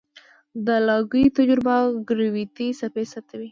د لایګو تجربه ګرویتي څپې ثبتوي.